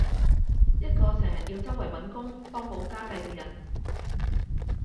一個成日要周圍搵工幫補家計嘅人